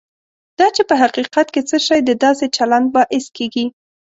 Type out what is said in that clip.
دا چې په حقیقت کې څه شی د داسې چلند باعث کېږي.